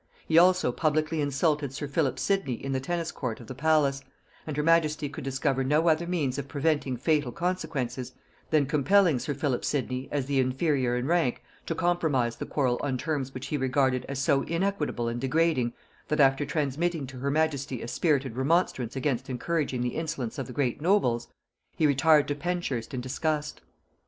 He also publicly insulted sir Philip Sidney in the tennis court of the palace; and her majesty could discover no other means of preventing fatal consequences than compelling sir Philip Sidney, as the inferior in rank, to compromise the quarrel on terms which he regarded as so inequitable and degrading, that after transmitting to her majesty a spirited remonstrance against encouraging the insolence of the great nobles, he retired to Penshurst in disgust.